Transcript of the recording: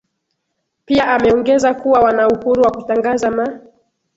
pia ameongeza kuwa wana uhuru wa kutangaza ma